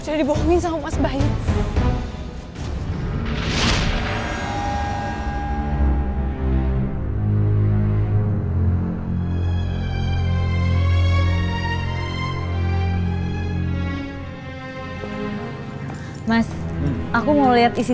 ya buat surprise kamu nanti